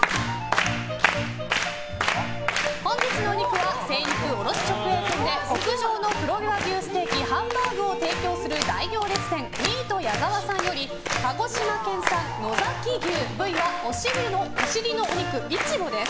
本日のお肉は、精肉卸直営店で極上の黒毛和牛ステーキ、ハンバーグを提供する大行列店ミート矢澤さんより鹿児島県産のざき牛部位はお尻のお肉、イチボです。